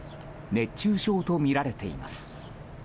熱中症とみられています。